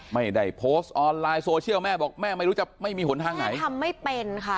ไม่ได้โพสต์ออนไลน์โซเชียลแม่บอกแม่ไม่รู้จะไม่มีหนทางไหนทำไม่เป็นค่ะ